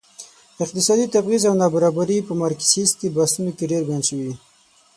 اقتصادي تبعيض او نابرابري په مارکسيستي بحثونو کې ډېر بیان شوي.